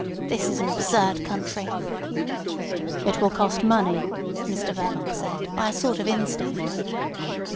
This is an absurd country." "It will cost money," Mr Verloc said, by a sort of instinct.